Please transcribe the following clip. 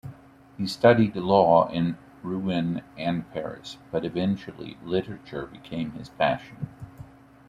He studied law in Rouen and Paris, but eventually literature became his passion.